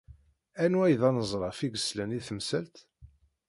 Anwa i d anezraf i yeslan i temsalt?